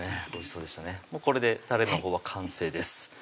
もうこれでたれのほうは完成です